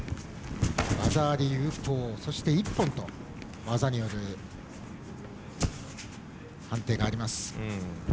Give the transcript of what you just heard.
技あり、有効、そして一本と技による判定があります。